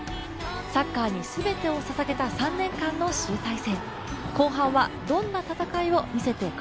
サッカーに全てをささげた３年間の集大成。